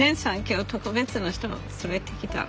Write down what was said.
今日特別の人連れてきた。